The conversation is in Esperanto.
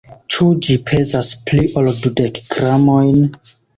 Ĉu ĝi pezas pli ol dudek gramojn?